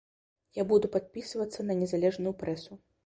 Я буду падпісвацца на незалежную прэсу.